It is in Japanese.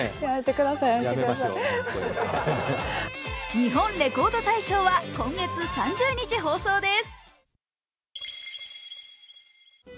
「日本レコード大賞」は今月３０日放送です。